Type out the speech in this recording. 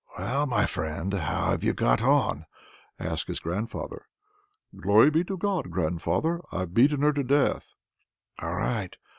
"Well, my friend! how have you got on?" asks his grandfather. "Glory be to God, grandfather! I've beaten her to death!" "All right!